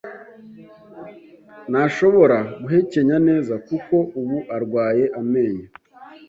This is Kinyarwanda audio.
Ntashobora guhekenya neza, kuko ubu arwaye amenyo.